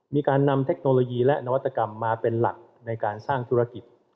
มีการนำเทคโนโลยีและนวัตกรรมมาเป็นหลักในการสร้างธุรกิจ